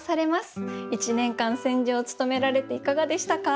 １年間選者を務められていかがでしたか？